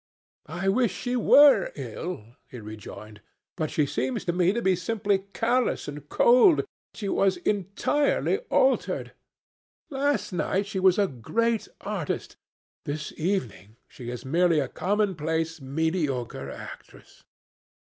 "I wish she were ill," he rejoined. "But she seems to me to be simply callous and cold. She has entirely altered. Last night she was a great artist. This evening she is merely a commonplace mediocre actress."